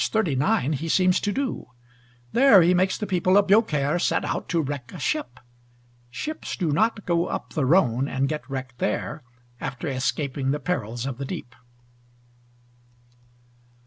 39) he seems to do. There he makes the people of Beaucaire set out to wreck a ship. Ships do not go up the Rhone, and get wrecked there, after escaping the perils of the deep.